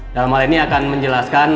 dalam hal ini akan menjelaskan